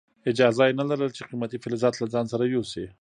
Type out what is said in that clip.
اجازه یې نه لرله چې قیمتي فلزات له ځان سره یوسي.